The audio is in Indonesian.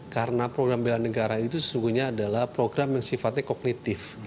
karena program bila negara itu sesungguhnya adalah program yang sifatnya kognitif